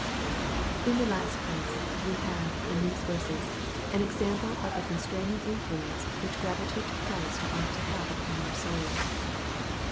In the last place, we have, in these verses, an example of the constraining influence which gratitude to Christ ought to have upon our souls.